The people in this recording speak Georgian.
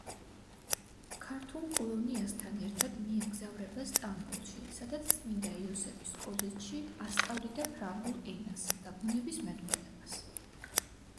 ქართულ კოლონიასთან ერთად მიემგზავრება სტამბოლში, სადაც წმინდა იოსების კოლეჯში ასწავლიდა ფრანგულ ენასა და ბუნებისმეტყველებას.